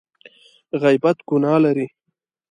غیبت ګناه لري !